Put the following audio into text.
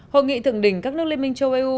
hội nghị thượng đỉnh các nước liên minh châu âu